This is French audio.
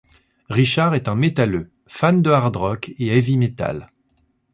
Richard est un métalleux, fan de hard rock et heavy métal.